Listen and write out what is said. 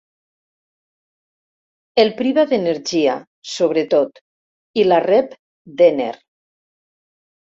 El priva d'energia, sobretot i la rep d'Enher.